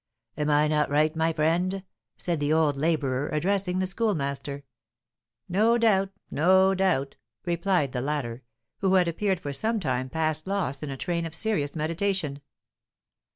Am I not right, my friend?" said the old labourer, addressing the Schoolmaster. "No doubt no doubt," replied the latter, who had appeared for some time past lost in a train of serious meditation.